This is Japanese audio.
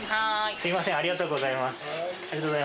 すみませんありがとうございます。